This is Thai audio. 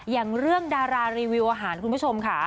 อย่างเรื่องดารารีวิวอาหารคุณผู้ชมค่ะ